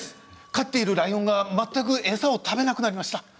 飼っているライオンが全く餌を食べなくなりました。